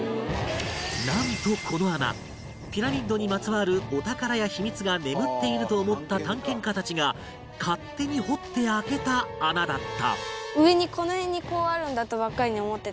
なんとこの穴ピラミッドにまつわるお宝や秘密が眠っていると思った探検家たちが勝手に掘って開けた穴だった